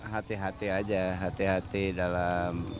hati hati aja hati hati dalam